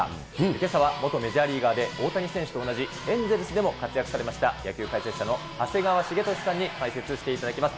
けさは元メジャーリーガーで大谷選手と同じエンゼルスでも活躍されました、野球解説者の長谷川滋利さんに解説していただきます。